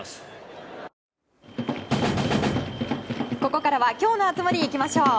ここからは今日の熱盛、いきましょう。